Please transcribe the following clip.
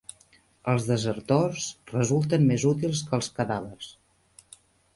Els desertors resulten més útils que els cadàvers